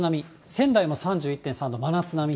仙台も３１．３度、真夏並み。